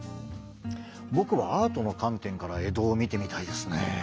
僕はアートの観点から江戸を見てみたいですね。